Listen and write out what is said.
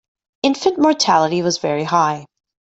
Infant mortality was very high.